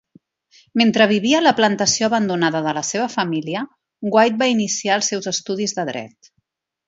Mentre vivia a la plantació abandonada de la seva família, White va iniciar els seus estudis de dret.